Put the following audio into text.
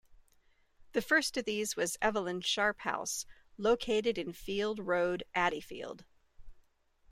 The first of these was Evelyn Sharp House, located in Field Road, Adeyfield.